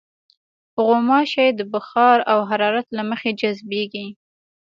غوماشې د بخار او حرارت له مخې جذبېږي.